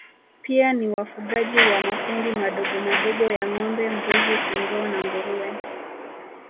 Pia ni wafugaji wa makundi madogomadogo ya ngombe mbuzi kondoo na nguruwe